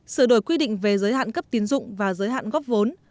sửa đổi quy định về giới hạn cấp tiến dụng và giới hạn góp vốn